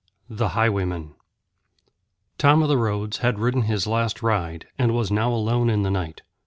The Highwaymen Tom o' the Roads had ridden his last ride, and was now alone in the night.